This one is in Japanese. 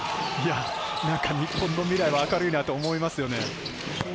何か日本の未来は明るいなと思いますね。